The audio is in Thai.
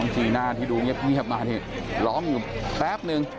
จีน่าที่ดูเงียบมานี่ร้องอยู่แป๊บนึง